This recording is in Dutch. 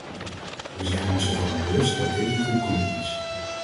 We zijn ons ervan bewust dat dit een compromis is.